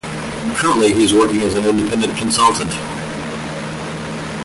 Currently, he works as an independent consultant.